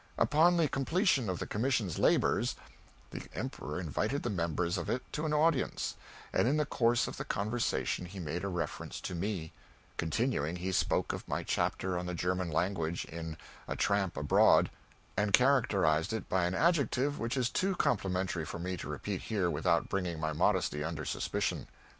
Upon the completion of the commission's labors, the Emperor invited the members of it to an audience, and in the course of the conversation he made a reference to me; continuing, he spoke of my chapter on the German language in "A Tramp Abroad," and characterized it by an adjective which is too complimentary for me to repeat here without bringing my modesty under suspicion.